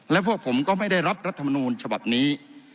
และพวกผมก็ไม่ได้รับรัฐมนูลฉบับนี้